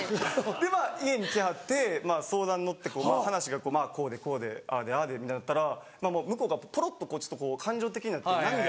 でまぁ家に来はって相談に乗って話がこうでこうでああでああでみたいになったら向こうがポロっと感情的になって涙を。